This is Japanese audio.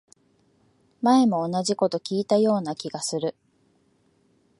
前も同じこと聞いたような気がする